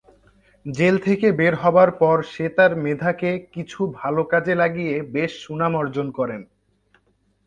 Jail থেকে বের হবার পর সে তার মেধা কে কিছু ভালো কাজে লাগিয়ে বেশ সুনাম অর্জন করেন।